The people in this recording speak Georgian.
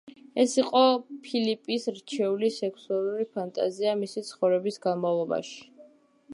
ეს იყო ფილიპის რჩეული სექსუალური ფანტაზია მისი ცხოვრების განმავლობაში.